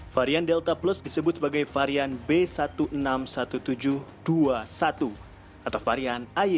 varian delta plus disebut sebagai varian b satu enam ratus tujuh belas dua satu atau varian a y satu